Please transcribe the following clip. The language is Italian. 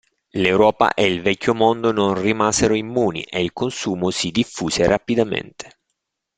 L'Europa e il vecchio mondo non rimasero immuni e il consumo si diffuse rapidamente.